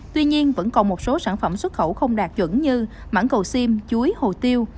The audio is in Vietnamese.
tuy nhiên vẫn còn một số sản phẩm xuất khẩu không đạt chuẩn như mãng cầu xiêm chuối hồ tiêu